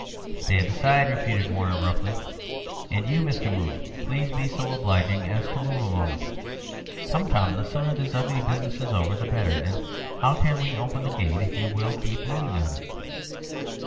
"Stand aside," repeated Warner roughly. "And you, Mr. Moon, please be so obliging as to move a moment. Come, come! the sooner this ugly business is over the better—and how can we open the gate if you will keep leaning on it?"